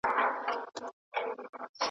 دا وطن به همېشه اخته په ویر وي .